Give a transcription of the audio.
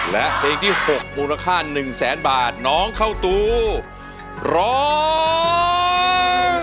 และเพลงที่๖มูลค่า๑แสนบาทน้องเข้าตูร้อง